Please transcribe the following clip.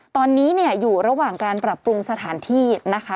ตอนนี้เนี่ยอยู่ระหว่างการปรับปรุงสถานที่นะคะ